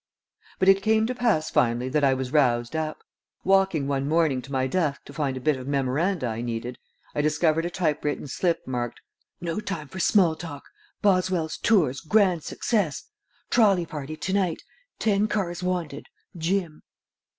But it came to pass finally that I was roused up. Walking one morning to my desk to find a bit of memoranda I needed, I discovered a type written slip marked, "No time for small talk. Boswell's tours grand success. Trolley party to night. Ten cars wanted. Jim."